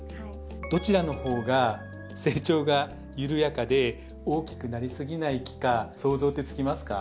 どちらの方が成長が緩やかで大きくなりすぎない木か想像ってつきますか？